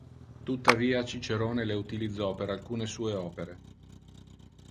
Tuttavia Cicerone le utilizzò per alcune sue opere.